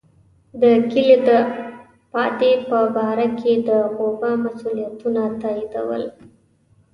د کلي د پادې په باره کې د غوبه مسوولیتونه تاییدول.